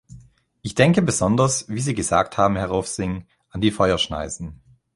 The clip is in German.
Ich denke besonders, wie Sie gesagt haben, Herr Rovsing, an die Feuerschneisen.